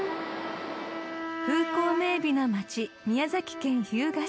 ［風光明媚な街宮崎県日向市］